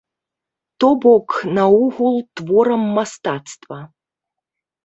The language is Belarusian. То-бок, наогул творам мастацтва.